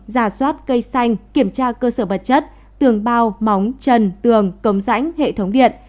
giả soát cây xanh kiểm tra cơ sở vật chất tường bao móng trần tường cống rãnh hệ thống điện